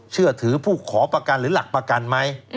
เชื่อถือผู้ขอประกันหรือหลักประกันไหม